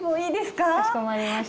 かしこまりました。